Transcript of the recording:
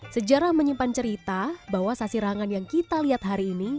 sejarah menyimpan cerita bahwa sasirangan yang kita lihat hari ini